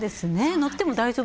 乗っても、大丈夫。